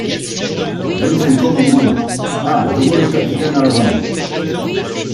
Vingt-cinq hommes au moins ! Ah ! je vois le capitaine à l'avant.